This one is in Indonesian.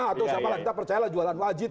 atau siapa lah kita percayalah jualan wajit